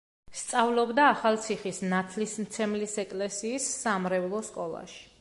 სწავლობდა ახალციხის ნათლისმცემლის ეკლესიის სამრევლო სკოლაში.